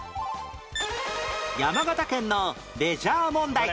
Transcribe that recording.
山形県のレジャー問題